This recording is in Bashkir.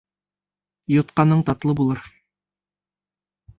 Йотҡаның татлы булыр.